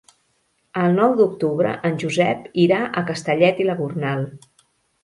El nou d'octubre en Josep irà a Castellet i la Gornal.